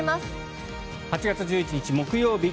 ８月１１日、木曜日